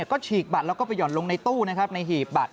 ก็ฉีกบัตรแล้วก็ไปห่อนลงในตู้นะครับในหีบบัตร